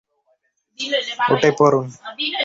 উঠে পড়ুন।